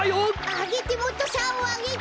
あげてもっとさおあげて！